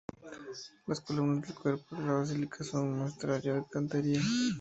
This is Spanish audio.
Las columnas del cuerpo de la Basílica, son un muestrario de cantería.